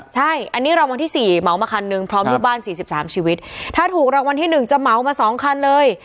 ใช่อันนี้รางวัลที่๔เหมามาคันหนึ่งพร้อมลูกบ้าน๔๓ชีวิตถ้าถูกรางวัลที่หนึ่งจะเหมามา๒คันเลย